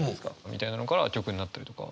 みたいなのから曲になったりとか。